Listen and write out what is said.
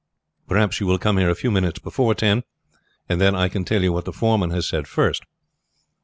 Perhaps you will come here a few minutes before ten, and then I can tell you what the foreman has said first."